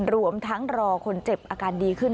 รวมทั้งรอคนเจ็บอาการดีขึ้น